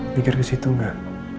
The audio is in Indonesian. mikir kesitu gak